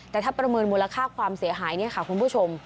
แต่ถ้าประเมินมูลค่าความเสียหายเนี่ยค่ะคุณผู้ชม